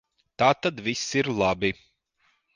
Tātad viss ir labi.